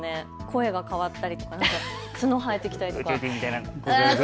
声が変わったりとか、角が生えてきたりとか。